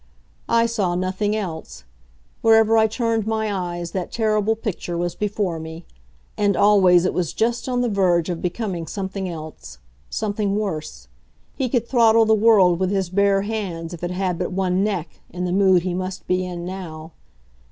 I saw nothing else. Wherever I turned my eyes, that terrible picture was before me. And always it was just on the verge of becoming something else something worse. He could throttle the world with his bare hands, if it had but one neck, in the mood he must be in now.